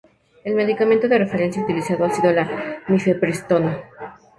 El medicamento de referencia utilizado ha sido la mifepristona.